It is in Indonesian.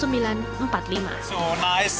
kaki yang bagus kaki yang bagus